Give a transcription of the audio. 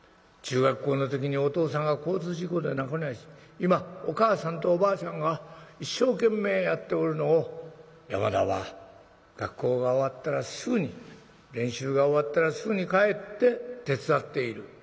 中学校の時にお父さんが交通事故で亡くなり今お母さんとおばあちゃんが一生懸命やっておるのを山田は学校が終わったらすぐに練習が終わったらすぐに帰って手伝っている。